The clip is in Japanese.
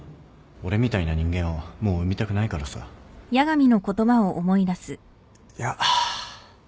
俺みたいな人間をもう生みたくないからさいや。